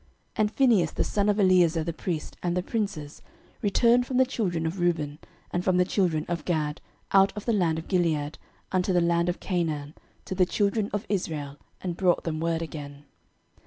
06:022:032 And Phinehas the son of Eleazar the priest, and the princes, returned from the children of Reuben, and from the children of Gad, out of the land of Gilead, unto the land of Canaan, to the children of Israel, and brought them word again.